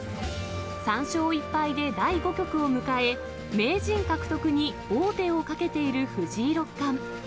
３勝１敗で第５局を迎え、名人獲得に王手をかけている藤井六冠。